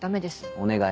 お願い。